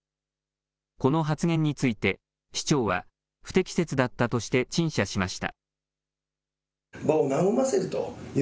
この発言について、市長は不適切だったとして陳謝しました。